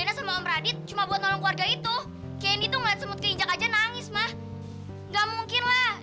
terinya udah berangkat ke manado lagi syuting